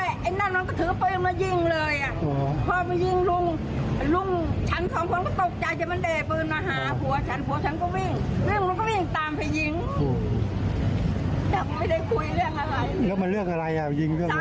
สายเห็นฉันไม่รู้ว่าเรื่องอะไรเขาก็จะมีเรื่องอะไรกับลุงหรือเปล่า